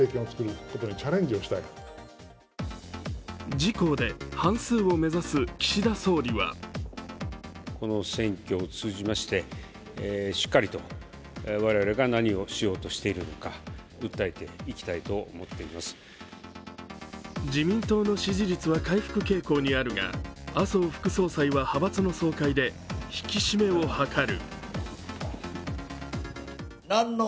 自・公で半数を目指す岸田総理は自民党の支持率は回復傾向にあるが麻生副総裁は派閥の総会で引き締めを図る。